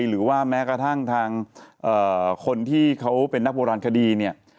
หรือว่าแม้กระทั่งทางคนที่เขาเป็นนักโบราณคดีเนี่ย